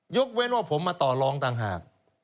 ยกเว้นว่าผมมาต่อลองต่างหาก